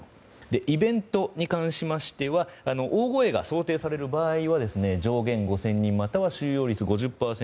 イベントに関しては大声が想定される場合は上限５０００人または収容率５０％